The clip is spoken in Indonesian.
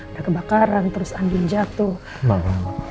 ada kebakaran terus andin jatuh